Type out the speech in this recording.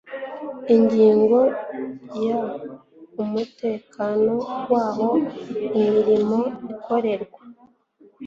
Ingingo ya Umutekano w aho imirimo ikorerwa